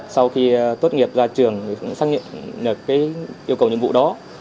sau khi tốt nghiệp ra trường xác nhận được yêu cầu nhiệm vụ đó